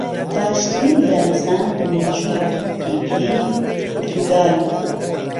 باشترین یاریزان له مێژووی تۆپی پێی پورتوگال